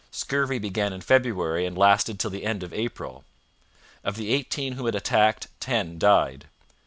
Scurvy began in February and lasted till the end of April. Of the eighteen whom it attacked, ten died.